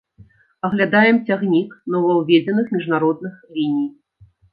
Аглядаем цягнік новаўведзеных міжнародных ліній.